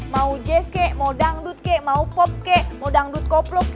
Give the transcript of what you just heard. mau jazz mau dangdut mau pop mau dangdut koplo